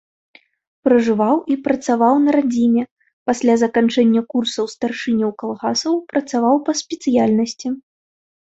Пражываў і працаваў на радзіме, пасля заканчэння курсаў старшыняў калгасаў працаваў па спецыяльнасці.